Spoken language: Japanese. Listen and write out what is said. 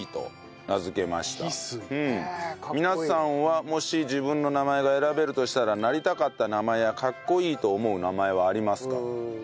皆さんはもし自分の名前が選べるとしたらなりたかった名前やかっこいいと思う名前はありますか？